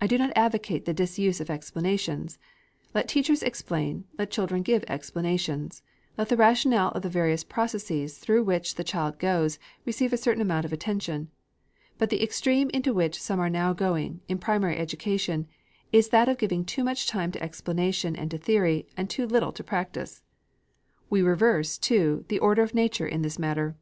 I do not advocate the disuse of explanations. Let teachers explain, let children give explanations. Let the rationale of the various processes through which the child goes, receive a certain amount of attention. But the extreme into which some are now going, in primary education, is that of giving too much time to explanation and to theory, and too little to practice. We reverse, too, the order of nature in this matter.